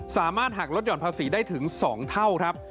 สามารถหักลดหย่อนภาษีได้ถึง๒เท่าครับ